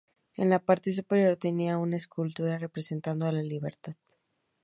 En la parte superior tenía una escultura representando a la libertad.